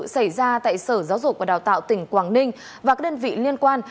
xảy ra tại sở giáo dục và đào tạo tỉnh quảng ninh và các đơn vị liên quan